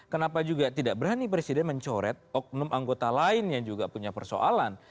kenapa juga tidak berani presiden mencoret oknum anggota lain yang juga punya persoalan